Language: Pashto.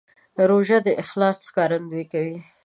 روژه د اخلاص ښکارندویي کوي.